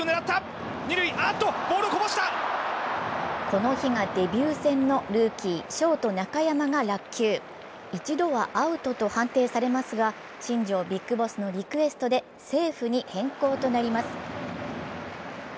この日がデビュー戦のルーキー、ショート・中山が落球、一度はアウトと判定されますが、新庄ＢＩＧＢＯＳＳのリクエストでセーフに変更となります。